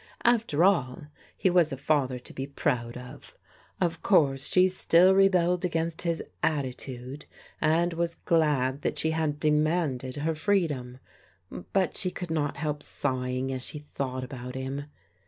After all, he was a father to be proud of. Of course she still rebelled against his atti tude, and was glad that she had demanded her freedom, but she could not help sighing as she thought about him.